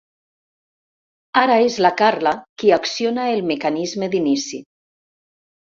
Ara és la Carla qui acciona el mecanisme d'inici.